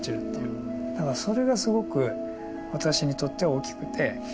だからそれがすごく私にとっては大きくて。